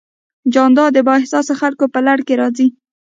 جانداد د بااحساسه خلکو په لړ کې راځي.